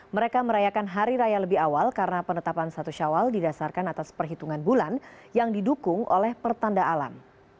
mereka merayakan hari raya lebih awal karena penetapan satu syawal didasarkan atas perhitungan bulan yang didukung oleh pertanda alam